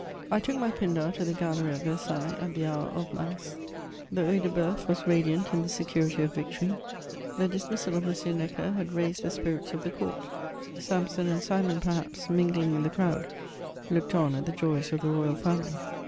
I took my Pindar to the gallery at Versailles at the hour of mass. The Oeil de Boeuf was radiant in the security of victor}^ The dismissal of M. Necker had raised the spirits of the court ; Samson and Simon, perhaps, mingling in the ciowd, looked on at the joys of the royal faxnily.